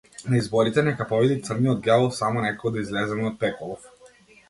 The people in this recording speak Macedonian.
На изборите нека победи црниот ѓавол, само некако да излеземе од пеколов!